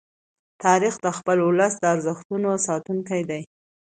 تاریخ د خپل ولس د ارزښتونو ساتونکی دی.